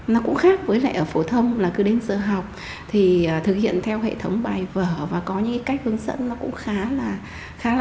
nó cũng khác với lại ở phổ thông là cứ đến giờ học thì thực hiện theo hệ thống bài vở và có những cách hướng dẫn nó cũng khá là